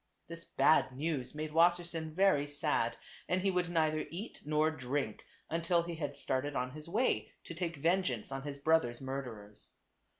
This bad news made Wassersein very sad, and he would neither eat nor drink, until he had started on his way to take vengeance on his brother's murderers.